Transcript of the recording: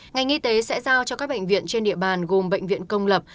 ngành y tế sẽ giao cho các bệnh viện trên địa bàn gồm bệnh viện công lập